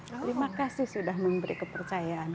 terima kasih sudah memberi kepercayaan